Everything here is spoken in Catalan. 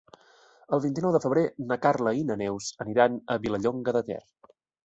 El vint-i-nou de febrer na Carla i na Neus aniran a Vilallonga de Ter.